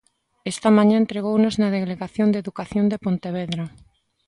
Esta mañá entregounas na delegación de Educación de Pontevedra.